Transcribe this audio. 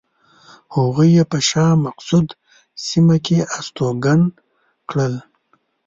هغوی یې په شاه مقصود سیمه کې استوګن کړل.